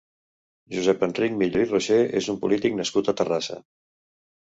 Josep Enric Millo i Rocher és un polític nascut a Terrassa.